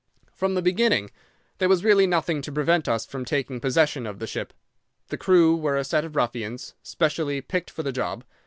""From the beginning there was really nothing to prevent us from taking possession of the ship. The crew were a set of ruffians, specially picked for the job.